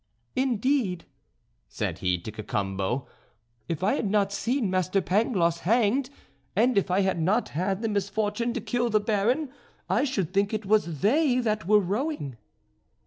"Indeed," said he to Cacambo, "if I had not seen Master Pangloss hanged, and if I had not had the misfortune to kill the Baron, I should think it was they that were rowing."